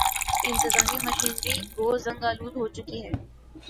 انتظامی مشینری گو زنگ آلود ہو چکی ہے۔